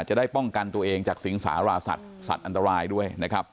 จะได้ป้องกันตัวเองจากสิงสาราสัตว์สัตว์อันตรายด้วยนะครับ